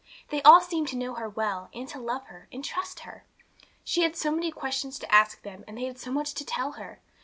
They all seemed to know her well, and to love her, and trust her. She had so many questions to ask them, and they had so much to tell her.